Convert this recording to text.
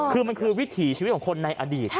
คือมันคือวิถีชีวิตของคนในอดีต